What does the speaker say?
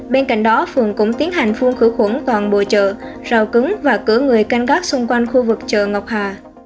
bên cạnh đó phường cũng tiến hành phun khử khuẩn toàn bộ chợ rào cứng và cửa người canh gác xung quanh khu vực chợ ngọc hà